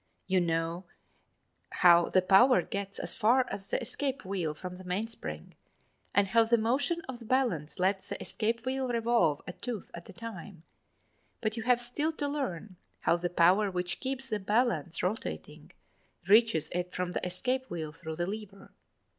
You know how the power gets as far as the escape wheel from the mainspring, and how the motion of the balance lets the escape wheel revolve a tooth at a time, but you have still to learn how the power which keeps the balance rotating reaches it from the escape wheel through the lever.